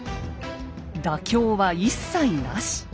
妥協は一切なし。